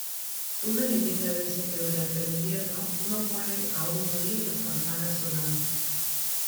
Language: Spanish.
Una leyenda dice que durante el invierno uno puede aún oír las campanas sonando.